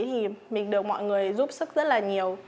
thì mình được mọi người giúp sức rất là nhiều